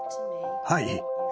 はい。